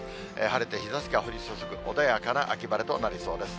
晴れて日ざしが降り注ぐ、穏やかな秋晴れとなりそうです。